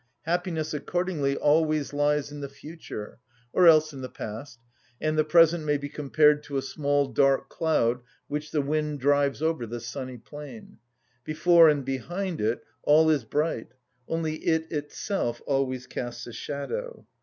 Happiness accordingly always lies in the future, or else in the past, and the present may be compared to a small dark cloud which the wind drives over the sunny plain: before and behind it all is bright, only it itself always casts a shadow.